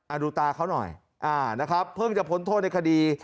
ดูตาเขาหน่อยอ่านะครับเพิ่งจะพ้นโทษในคดี